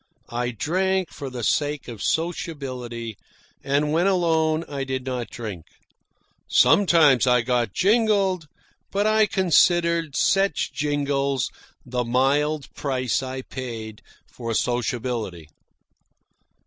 I drank for the sake of sociability, and when alone I did not drink. Sometimes I got jingled, but I considered such jingles the mild price I paid for sociability.